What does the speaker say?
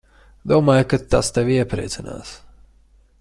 Domāju, ka tas tevi iepriecinās.